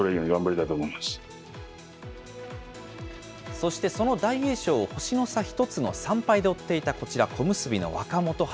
そしてその大栄翔を星の差１つの３敗で追っていたこちら、小結の若元春。